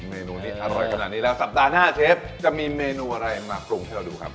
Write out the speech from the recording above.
เมนูที่อร่อยขนาดนี้แล้วสัปดาห์หน้าเชฟจะมีเมนูอะไรมาปรุงให้เราดูครับ